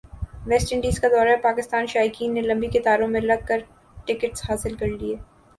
waste Indies کا دورہ پاکستان شائقین نے لمبی قطاروں میں لگ کر ٹکٹس حاصل کرلئے